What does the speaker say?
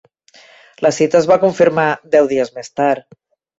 La cita es va confirmar deu dies més tard.